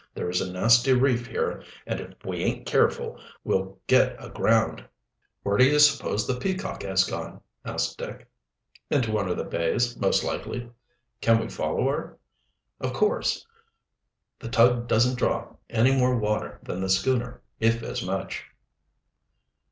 "There is a nasty reef here, and if we aint careful we'll get aground." "Where do you suppose the Peacock has gone?" asked Dick. "Into one of the bays, most likely." "Can we follow her?" "Of coarse. The tug doesn't draw any more water than the schooner, if as much."